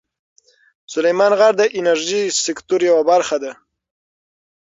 سلیمان غر د انرژۍ سکتور یوه برخه ده.